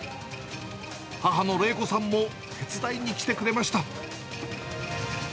母の玲子さんも手伝いに来てくれました。